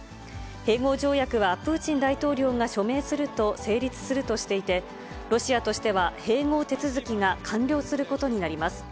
併合条約はプーチン大統領が署名すると署名すると成立するとしていて、ロシアとしては併合手続きが完了することになります。